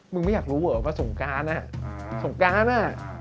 ไม่อยากรู้เหรอว่าสงการสงการอ่ะ